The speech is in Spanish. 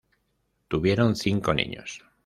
Tuvieron cinco niños.